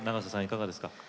いかがですか。